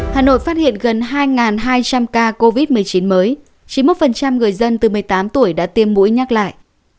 hà nội phát hiện gần hai hai trăm linh ca covid một mươi chín mới chín mươi một người dân từ một mươi tám tuổi đã tiêm mũi nhắc lại